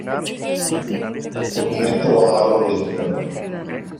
Documento bajado de internet.